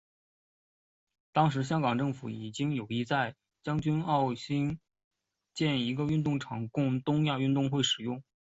当时香港政府已经有意在将军澳兴建一个运动场供东亚运动会使用。